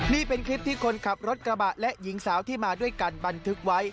นี่เป็นคลิปที่คนขับรถกระบะและหญิงสาวที่มาด้วยกันบันทึกไว้